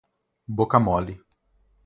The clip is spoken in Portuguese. Boca-mole